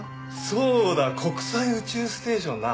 そうだ国際宇宙ステーションな。